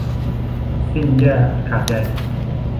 สิ้นเยื่อขาดใย